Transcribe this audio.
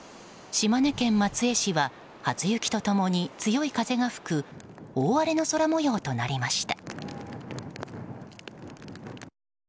島根県松江市は初雪と共に強い風が吹く大荒れの空模様となりました。